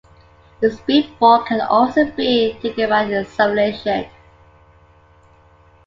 The speedball can also be taken by insufflation.